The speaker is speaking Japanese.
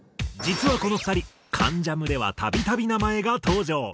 実はこの２人『関ジャム』ではたびたび名前が登場。